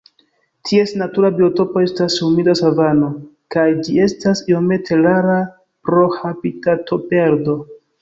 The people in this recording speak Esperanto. Ties natura biotopo estas humida savano, kaj ĝi estas iomete rara pro habitatoperdo.